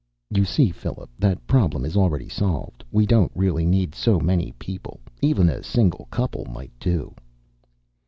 "You see, Philip, that problem is already solved. We don't really need so many people; even a single couple might do."